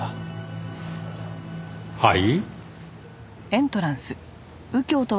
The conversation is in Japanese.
はい？